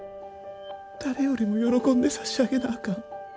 誰よりも喜んで差し上げなあかん。